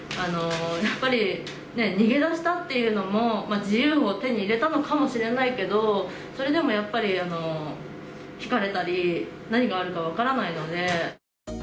やっぱり逃げ出したっていうのも、自由を手に入れたのかもしれないけど、それでもやっぱり、ひかれたり、何があるか分からないので。